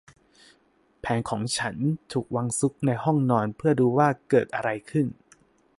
แผนของฉันถูกวางซุกในห้องนอน เพื่อดูว่าเกิดอะไรขึ้น